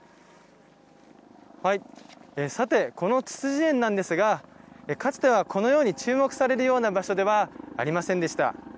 さて、このツツジ園なんですがかつては、このように注目されるような場所ではありませんでした。